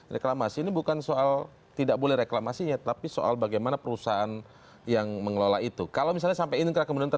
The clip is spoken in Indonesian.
ya saya ingin mengatakan bahwa